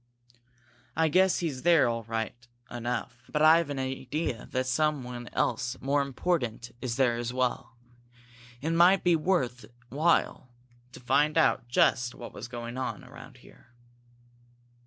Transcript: I guess he's there, right enough, but I've an idea there's someone more important, as well. It might be worth while to find out just what is going on around here."